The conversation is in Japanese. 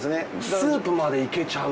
スープまでいけちゃう。